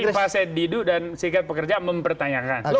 jadi pak said didu dan serikat pekerja mempertanyakan